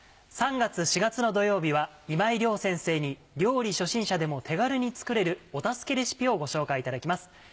３月４月の土曜日は今井亮先生に料理初心者でも手軽に作れるお助けレシピをご紹介いただきます。